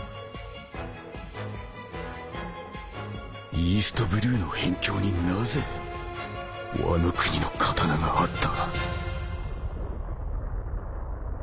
イーストブルーの辺境になぜワノ国の刀があった？